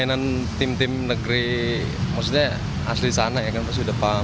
mainan tim tim negeri maksudnya asli sana ya kan masih depan